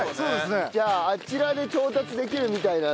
じゃああちらで調達できるみたいなんで。